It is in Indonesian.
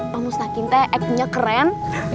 pak mustahakinta actnya keren